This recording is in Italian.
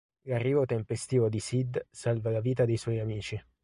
L'arrivo tempestivo di Sid salva la vita dei suoi amici.